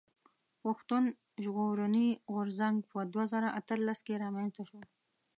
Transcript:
پښتون ژغورني غورځنګ په دوه زره اتلس کښي رامنځته شو.